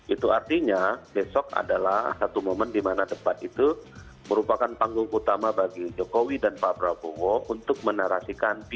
itu artinya besok adalah satu momen di mana debat itu merupakan panggung utama bagi jokowi dan pak prabowo untuk menarasikan